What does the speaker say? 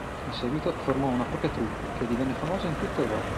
In seguito formò una propria troupe che divenne famosa in tutta Europa.